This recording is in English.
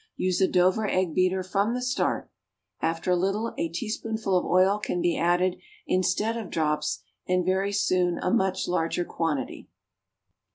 Use a Dover egg beater from the start; after a little a teaspoonful of oil can be added instead of drops, and, very soon, a much larger quantity.